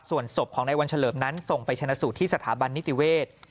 ส่วนศพของในวันเฉลิมนั้นส่งไปชนะสูตรที่สถาบันนิติเวศ